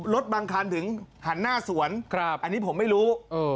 รถบางทานถึงหันหน้าสวนครับอันนี้ผมไม่รู้เออ